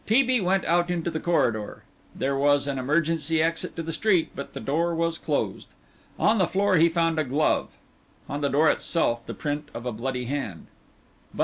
T. B. went out into the corridor. There was an emergency exit to the street, but the door was closed. On the floor he found a glove, on the door itself the print of a bloody hand.